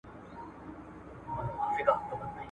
څوک په سره اهاړ کي تندي وه وژلي `